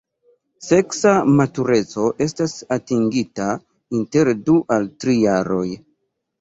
Seksa matureco estas atingita inter du al tri jaroj.